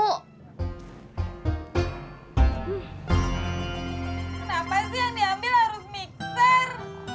kenapa sih yang diambil harus mixer